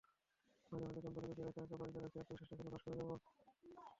মাঝেমধ্যে ক্যাম্পাসের ভেতর একা একা গাড়ি চালাচ্ছি, আত্মবিশ্বাসটা ছিল পাস করে যাব।